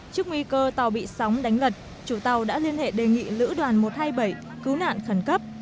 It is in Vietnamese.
trước nguy cơ tàu bị sóng đánh lật chủ tàu đã liên hệ đề nghị lữ đoàn một trăm hai mươi bảy cứu nạn khẩn cấp